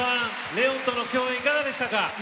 レオンとの共演いかがでしたか。